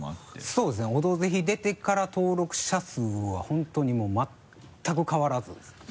そうですね「オドぜひ」出てから登録者数は本当にもう全く変わらずですね。